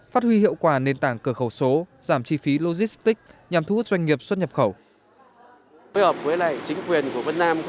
phát huy hiệu quả nền tảng cửa khẩu số giảm chi phí logistics nhằm thu hút doanh nghiệp xuất nhập khẩu